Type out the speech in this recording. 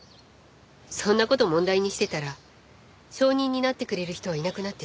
そんな事問題にしてたら証人になってくれる人はいなくなってしまう。